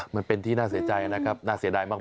มันเป็นที่น่าเสียใจนะครับน่าเสียดายมาก